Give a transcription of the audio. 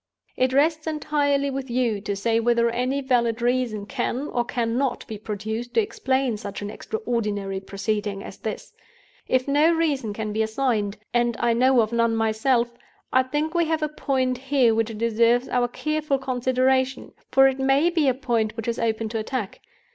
"It rests entirely with you to say whether any valid reason can or cannot be produced to explain such an extraordinary proceeding as this. If no reason can be assigned—and I know of none myself—I think we have a point here which deserves our careful consideration; for it may be a point which is open to attack.